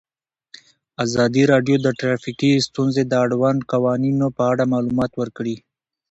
ازادي راډیو د ټرافیکي ستونزې د اړونده قوانینو په اړه معلومات ورکړي.